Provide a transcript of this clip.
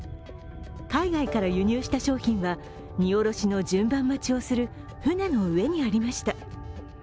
海外から輸入した商品は荷卸しの順番待ちをする船の上にありました。